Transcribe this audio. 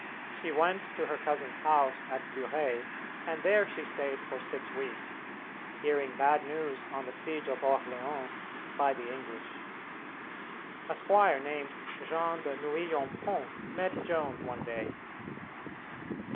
She went to her cousin's house at Burey, and there she stayed for six weeks, hearing bad news of the siege of Orleans by the English. A squire named Jean de Nouillompont met Joan one day.